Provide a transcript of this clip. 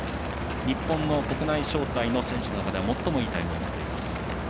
日本の国内招待の選手の中では最もいいタイムを持っています。